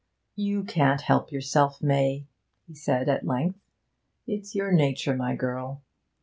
'You can't help yourself, May,' he said at length. 'It's your nature, my girl.